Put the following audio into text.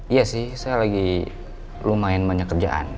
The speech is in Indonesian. iya sih saya lagi lumayan banyak kerjaan